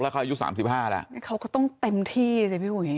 แล้วเขายุดสามสิบห้าละเขาก็ต้องเต็มที่ใช่ไหม